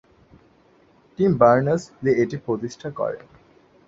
Team Berners Lee এটি প্রতিষ্ঠা করেন।